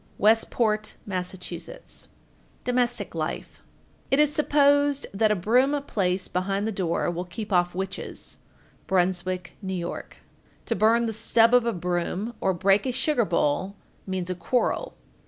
Westport, Mass. DOMESTIC LIFE. 1438. It is supposed that a broom placed behind the door will keep off witches. Bruynswick, N.Y. 1439. To burn the stub of a broom or break a sugar bowl, means a quarrel.